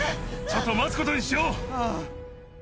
ちょっと待つことにしよう！